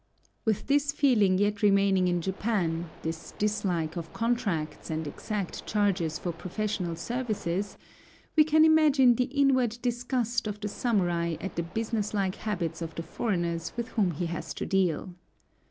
With this feeling yet remaining in Japan, this dislike of contracts, and exact charges for professional services, we can imagine the inward disgust of the samurai at the business like habits of the foreigners with whom he has to deal.